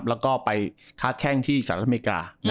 แล้วก็ไปค้าแข้งที่สหรัฐอเมริกา